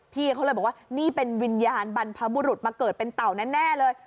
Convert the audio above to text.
พี่เขาเลยบอกว่านี่เป็นวิญญาณบรรพบุรุษมาเกิดเป็นเต่าแน่เลย